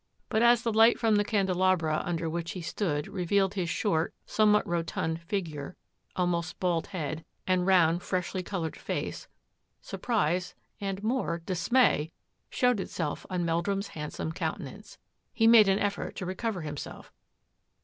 But as the light from the candelabra under which he stood, revealed his short, somewhat rotund figure, almost bald head, and round, freshly coloured face, surprise — and, more, dismay — showed itself on Meldrum's handsome countenance. He made an effort to recover himself.